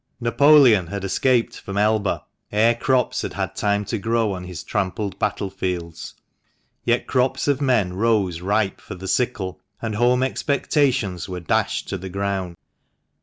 Napoleon had escaped from Elba ere crops had had time to grow on his trampled battle fields ; yet crops of men rose ripe for the sickle, and home expectations were dashed to the ground.